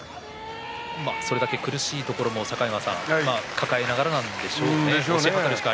それだけ苦しいところを境川さん抱えながらなんでしょうね。